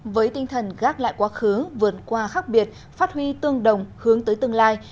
với tinh thần gác lại quá khứ vượt qua khác biệt phát huy tương đồng hướng tới tương lai